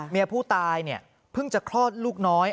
เมียผู้ตายเนี่ยเพิ่งจะคลอดลูกน้อย